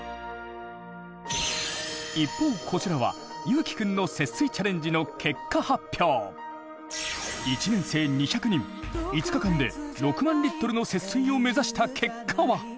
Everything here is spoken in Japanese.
一方こちらはゆうきくんの１年生２００人５日間で６万リットルの節水を目指した結果は。